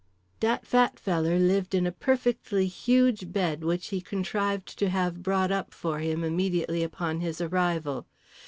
"Dat fat feller" lived in a perfectly huge bed which he contrived to have brought up for him immediately upon his arrival.